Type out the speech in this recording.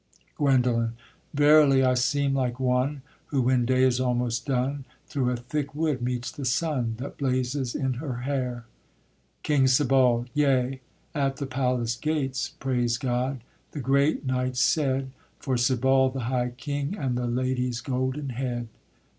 _ GUENDOLEN. Verily, I seem like one Who, when day is almost done, Through a thick wood meets the sun That blazes in her hair. KING SEBALD. Yea, at the palace gates, Praise God! the great knights said, For Sebald the high king, And the lady's golden head.